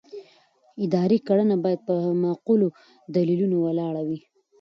اداري کړنه باید پر معقولو دلیلونو ولاړه وي.